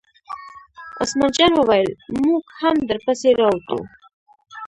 عثمان جان وویل: موږ هم در پسې را ووتو.